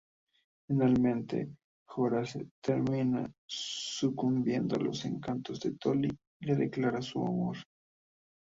Finalmente Horace termina sucumbiendo a los encantos de Dolly y le declara su amor.